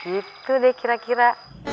gitu deh kira kira